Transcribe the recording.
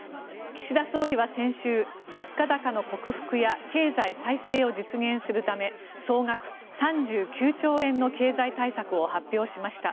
岸田総理は先週、物価高の克服や経済再生を実現するため総額３９兆円の経済対策を発表しました。